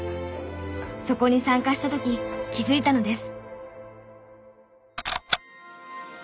そこに参加した時気づいたのです。